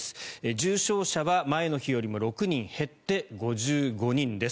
重症者は前の日よりも６人減って５５人です。